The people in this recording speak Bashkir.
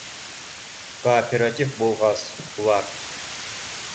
Кооператив булғас, улар